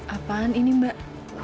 apaan ini mbak